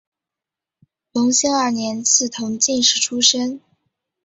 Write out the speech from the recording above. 隆兴二年赐同进士出身。